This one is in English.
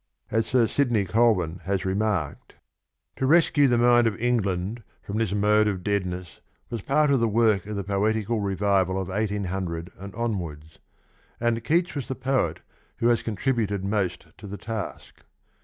As Sir Sidney Colvin has remarked :" To 40 rescue the mind of England from this mode of deadness was part of the work oi the poetical revival of 1800 and onwards, and Keats was the poet who has contributed most to the task.